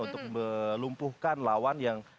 untuk melumpuhkan lawan yang